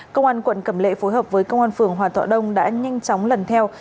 công an quận cẩm lệ phối hợp với công an phường hòa thọ đông đã nhanh chóng lần theo